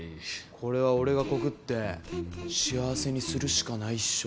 これは俺がコクって幸せにするしかないっしょ。